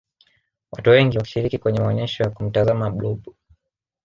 watu wengi wakishiriki kwenye maonyesho ya kumtazama blob